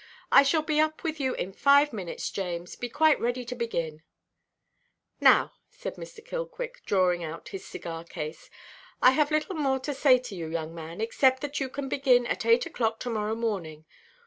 I shall be up with you in five minutes, James. Be quite ready to begin." "Now," said Mr. Killquick, drawing out his cigar–case, "I have little more to say to you, young man, except that you can begin at eight oʼclock to–morrow morning.